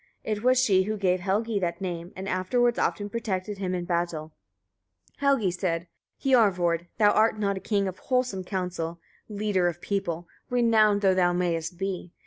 It was she who gave Helgi that name, and afterwards often protected him in battle. Helgi said: 10. Hiorvard! thou art not a king of wholesome counsel, leader of people! renowned though thou mayest be.